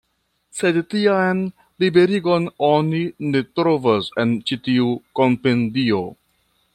Sed tian liberigon oni ne trovas en ĉi tiu Kompendio.